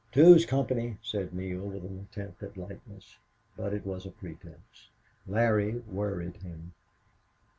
"Two's company," said Neale, with an attempt at lightness. But it was a pretense. Larry worried him.